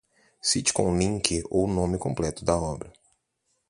Cite com um link ou o nome completo da obra.